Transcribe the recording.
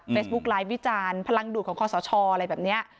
เฟซบุ๊กไลน์วิจารพลังดูดของขอสชอะไรแบบนี้